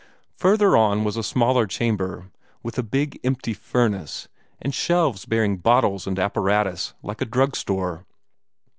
Further on was a smaller chamber, with a big empty furnace, and shelves bearing bottles and apparatus like a drugstore.